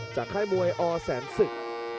ค่ายมวยอแสนศึก